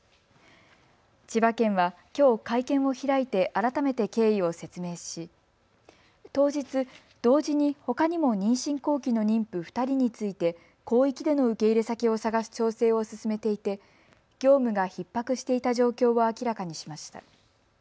千葉県はきょう会見を開いて改めて経緯を説明し当日、同時にほかにも妊娠後期の妊婦２人について広域での受け入れ先を探す調整を進めていて業務がひっ迫していた状況を明らかにしました。